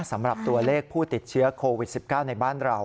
สำหรับตัวเลขผู้ติดเชื้อโควิด๑๙ในบ้านเรา